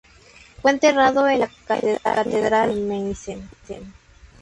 Fue enterrado en la catedral de Meissen.